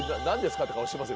って顔してますよ